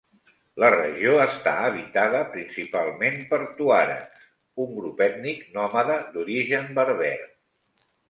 La regió està habitada principalment per tuaregs, un grup ètnic nòmada d'origen berber.